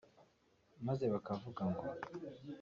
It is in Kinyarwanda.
Maze bakavuga ngo